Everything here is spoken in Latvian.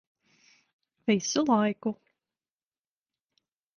Visu laiku.